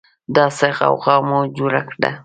دا څه غوغا مو جوړه ده